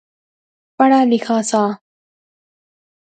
پڑھا لیخا سا